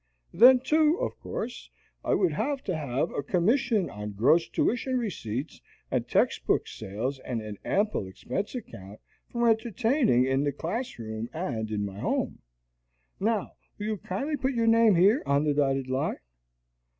Then, too, of course, I would have to have a commission on gross tuition receipts and text book sales and an ample expense account for entertaining in the class room and in my home. Now will you kindly put your name here on the dotted line?"